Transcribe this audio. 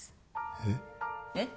えっ？えっ？